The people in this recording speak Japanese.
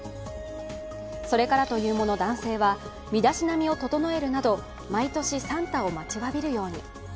それからというもの、男性は身だしなみを整えるなど毎年、サンタを待ちわびるように。